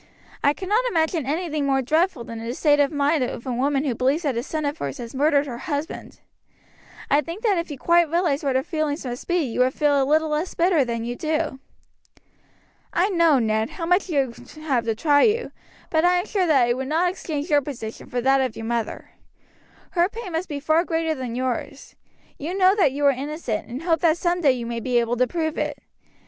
I cannot imagine anything more dreadful than the state of mind of a woman who believes that a son of hers has murdered her husband. I think that if you quite realized what her feelings must be you would feel a little less bitter than you do. "I know, Ned, how much you have to try you, but I am sure that I would not exchange your position for that of your mother. Her pain must be far greater than yours. You know that you are innocent, and hope that some day you may be able to prove it.